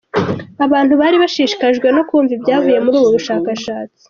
Abantu bari bashishikajwe no kumva ibyavuye muri ubu bushakashatsi.